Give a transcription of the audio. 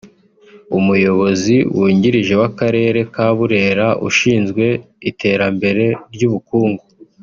Umuyobozi Wungirije w’Akarere ka Burera ushinzwe Iterambere ry’Ubukungu